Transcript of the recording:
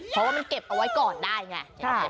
เพราะว่ามันเก็บเอาไว้ก่อนได้ไง